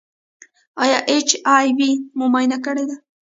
ایا ایچ آی وي مو معاینه کړی دی؟